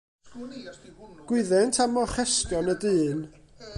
Gwyddent am orchestion y dyn.